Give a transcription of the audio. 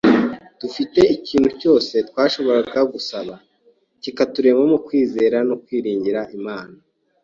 Dufite ikintu cyose twashoboraga gusaba kikaturemamo kwizera no kwiringira Imana.